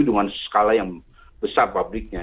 dengan skala yang besar publiknya